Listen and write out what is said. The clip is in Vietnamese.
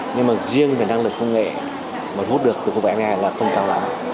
nhưng mà riêng về năng lực công nghệ mà thu hút được từ quốc vải nga là không cao lắm